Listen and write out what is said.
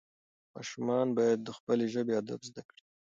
ماشومان باید د خپلې ژبې ادب زده کړي.